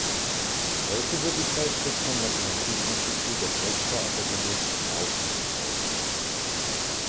Heute wird die Zeitschrift vom Mathematik-Institut der Polska Akademia Nauk betreut.